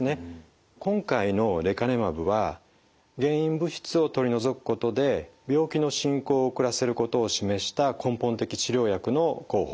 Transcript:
今回のレカネマブは原因物質を取り除くことで病気の進行を遅らせることを示した根本的治療薬の候補。